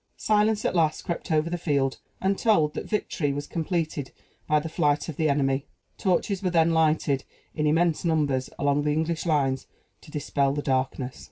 Silence at last crept over the field, and told that victory was completed by the flight of the enemy. Torches were then lighted, in immense numbers, along the English lines to dispel the darkness.